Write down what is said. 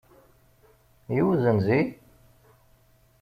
I uzenzi?